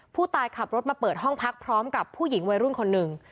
ผู้ตายขับรถมาเปิดห้องพักพร้อมกับผู้หญิงวัยรุ่นคนหนึ่ง